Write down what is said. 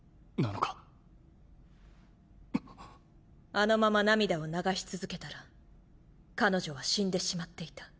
あのまま涙を流し続けたら彼女は死んでしまっていた。